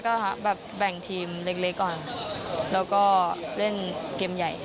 ก็แบบแบ่งทีมเล็กก่อนแล้วก็เล่นเกมใหญ่